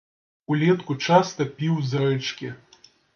Улетку часта піў з рэчкі.